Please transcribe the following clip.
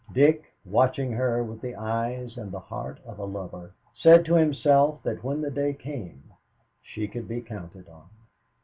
Dick, watching her with the eyes and the heart of a lover, said to himself that when the day came, she could be counted on.